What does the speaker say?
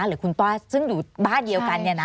เหนื่อย